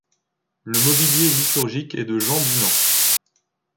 Le mobilier liturgique est de Jean Dunand.